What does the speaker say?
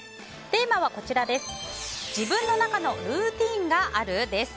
テーマは自分の中のルーティンがある？です。